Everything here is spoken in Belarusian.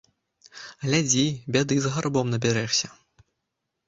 Глядзі, бяды з гарбом набярэшся.